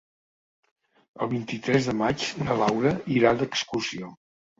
El vint-i-tres de maig na Laura irà d'excursió.